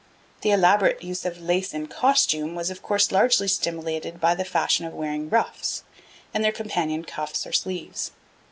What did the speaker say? The elaborate use of lace in costume was, of course, largely stimulated by the fashion of wearing ruffs, and their companion cuffs or sleeves.